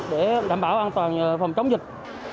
để đảm bảo an toàn phòng chống dịch